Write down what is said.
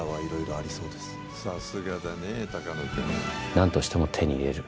何としても手に入れる。